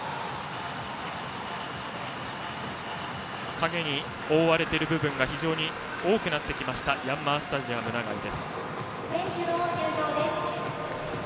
影に覆われている部分が非常に多くなってきたヤンマースタジアム長居です。